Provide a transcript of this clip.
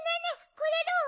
これどう？